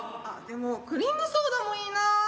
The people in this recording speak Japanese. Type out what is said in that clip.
あっでもクリームソーダもいいなぁ。